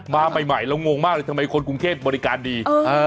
มาใหม่เรางงมากเลยทำไมคนกรุงเทพบริการดี